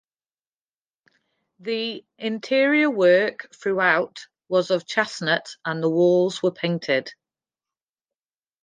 The interior work throughout was of chestnut and the walls were painted.